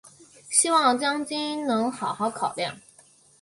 希望将军能好好考量！